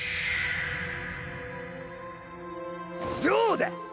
どうだ！